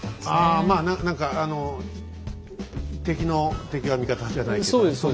あまあ何かあの敵の敵は味方じゃないけど。